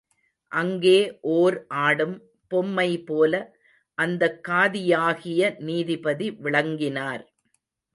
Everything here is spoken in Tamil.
அங்கே ஓர் ஆடும் பொம்மைபோல அந்தக் காதியாகிய நீதிபதி விளங்கினார்.